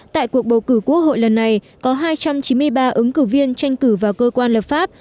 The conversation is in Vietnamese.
tại cuộc bầu cử quốc hội lần này có hai trăm chín mươi ba ứng cử viên tranh cử vào cơ quan lập pháp